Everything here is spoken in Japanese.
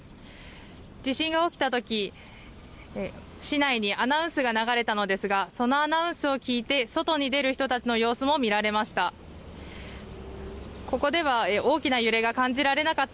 地震が起きたとき、市内にアナウンスが流れたのですがそのアナウンスを聞いて外に出る人たちの様子も見られました。